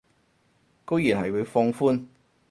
居然係會放寬